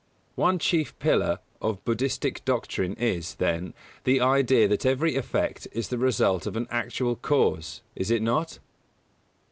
_One chief pillar of Buddhistic doctrine is, then, the idea that every effect is the result of an actual cause, is it not?